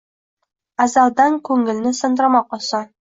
Azaldan ko’ngilni sindirmoq oson.